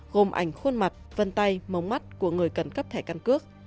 gồm ảnh khuôn mặt vân tay mống mắt của người cần cấp thẻ căn cước